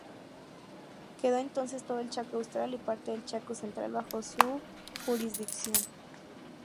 Quedó entonces todo el Chaco Austral y parte del Chaco Central bajo su jurisdicción.